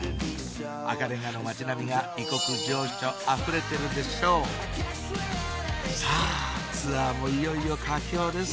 赤レンガの街並みが異国情緒あふれてるでしょうさぁツアーもいよいよ佳境です